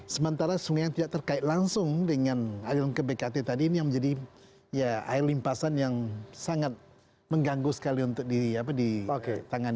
sementara sungai yang tidak terkait langsung dengan air limpaan yang menjadi ya air limpaan yang sangat mengganggu sekali untuk di apa di tangan ini